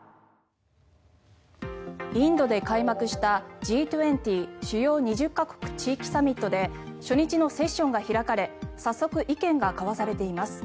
インドで開幕したＧ２０＝主要２０か国・地域サミットで初日のセッションが開かれ早速、意見が交わされています。